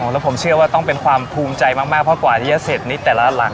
แล้วผมเชื่อว่าต้องเป็นความภูมิใจมากเพราะกว่าที่จะเสร็จนิดแต่ละหลัง